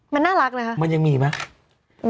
มันน่ารักนะคะมันยังมีไหม